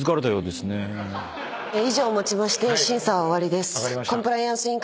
以上をもちまして審査は終わりです。